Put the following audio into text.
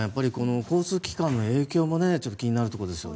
交通機関の影響も気になるところですね。